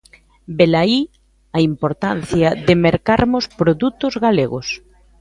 Velaí a importancia de mercarmos produtos galegos.